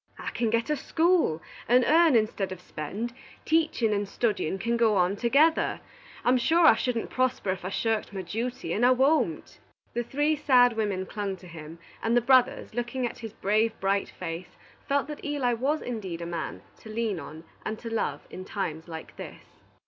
I can get a school, and earn instead of spend. Teaching and studying can go on together. I'm sure I shouldn't prosper if I shirked my duty, and I won't." The three sad women clung to him, and the brothers, looking at his brave, bright face, felt that Eli was indeed a man to lean on and to love in times like this.